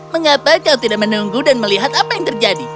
mengapa kau tidak menunggu dan melihat apa yang terjadi